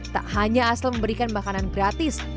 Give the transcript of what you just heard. tak hanya asal memberikan makanan gratis